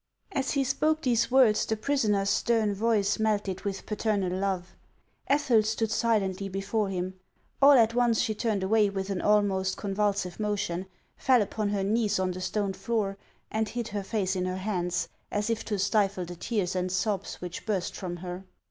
As he spoke these words, the prisoner's stern voice melted with paternal love. Ethel stood silently before him. All at once she turned away with an almost convul sive motion, fell upon her knees on the stone floor, and hid her face in her hands, as if to stifle the tears and sobs which burst from her.